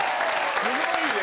すごいね！